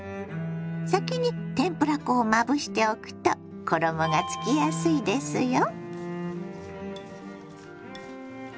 先に天ぷら粉をまぶしておくと衣がつきやすいですよ。